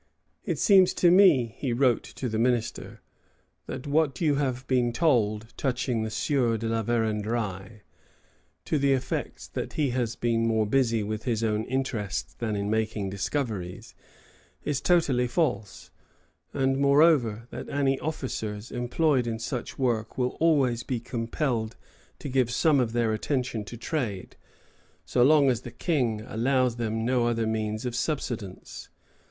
"It seems to me," he wrote to the minister, "that what you have been told touching the Sieur de la Vérendrye, to the effect that he has been more busy with his own interests than in making discoveries, is totally false, and, moreover, that any officers employed in such work will always be compelled to give some of their attention to trade, so long as the King allows them no other means of subsistence.